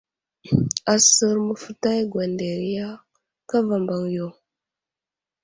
Asər məftay gwanderiya kava mbaŋ yo.